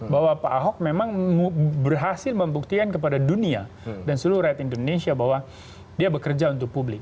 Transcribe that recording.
bahwa pak ahok memang berhasil membuktikan kepada dunia dan seluruh rakyat indonesia bahwa dia bekerja untuk publik